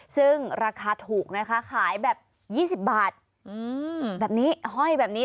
ซึ่งราคาถูกนะคะขายแบบ๒๐บาทแบบนี้ห้อยแบบนี้